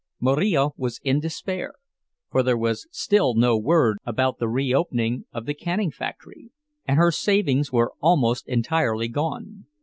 Marija was in despair, for there was still no word about the reopening of the canning factory, and her savings were almost entirely gone.